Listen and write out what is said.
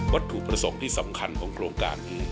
ถูกประสงค์ที่สำคัญของโครงการนี้